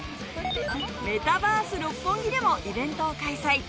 メタバース六本木でもイベントを開催。